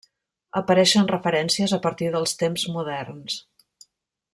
Apareixen referències a partir dels temps moderns.